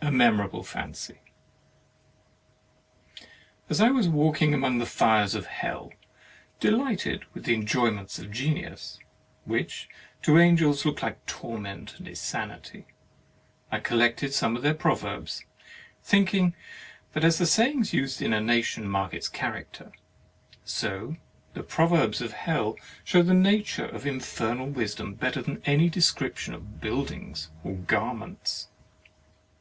10 HEAVEN AND HELL A MEMORABLE FANCY As I was walking among the fires of Hell, delighted with the enjoyments of Genius, which to Angels look like torment and insanity, I collected some of their proverbs, thinking that as the sayings used in a nation mark its character, so the proverbs of Hell show the nature of infernal wisdom better than any description of buildings or garments.